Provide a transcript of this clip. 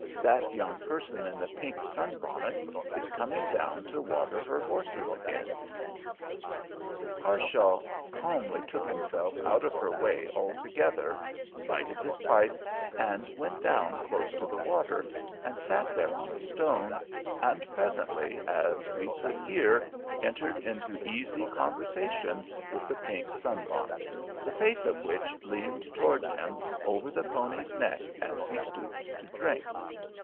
That young person in the pink sunbonnet is coming down to water her horses again." Harshaw calmly took himself out of her way altogether, lighted his pipe, and went down close to the water, and sat there on a stone, and presently, as we could hear, entered into easy conversation with the pink sunbonnet, the face of which leaned toward him over the pony's neck as he stooped to drink.